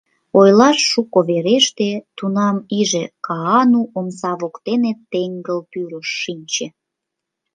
Ойлаш шуко вереште, тунам иже Каану омса воктене теҥгыл тӱрыш шинче.